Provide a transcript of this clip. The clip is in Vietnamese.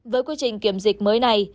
với quy trình kiểm dịch mới này